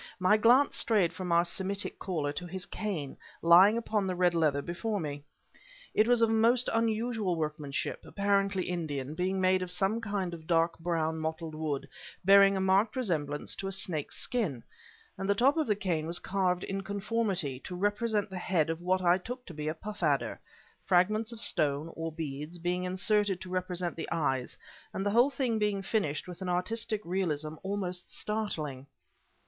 My glance strayed from our Semitic caller to his cane, lying upon the red leather before me. It was of most unusual workmanship, apparently Indian, being made of some kind of dark brown, mottled wood, bearing a marked resemblance to a snake's skin; and the top of the cane was carved in conformity, to represent the head of what I took to be a puff adder, fragments of stone, or beads, being inserted to represent the eyes, and the whole thing being finished with an artistic realism almost startling.